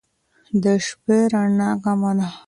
د شپې رڼا کمه کړه